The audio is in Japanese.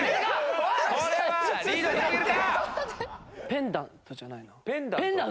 「ペンダント」じゃないな。